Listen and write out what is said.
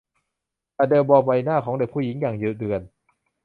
อเดลมองใบหน้าของเด็กผู้หญิงอย่างดุเดือด